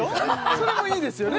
それもいいですよね